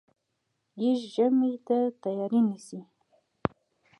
يږ ژمي ته تیاری نیسي.